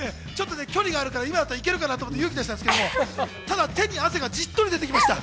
距離があるから、今だったら行けるかなって勇気出したんですけど、ただ手に汗がじっとり出てきました。